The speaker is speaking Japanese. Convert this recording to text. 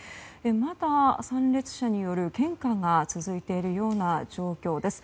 まだ参列者による献花が続いている状況です。